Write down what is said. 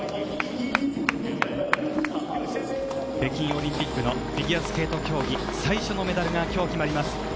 北京オリンピックのフィギュアスケート競技最初のメダルが今日決まります。